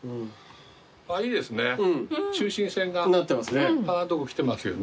いいですね。